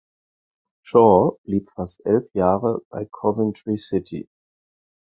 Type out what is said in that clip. Shaw blieb fast elf Jahre bei Coventry City.